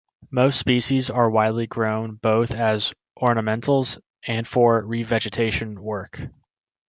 Most species are widely grown both as ornamentals and for revegetation work.